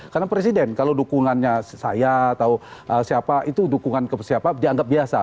karena presiden kalau dukungannya saya atau siapa itu dukungan siapa dianggap biasa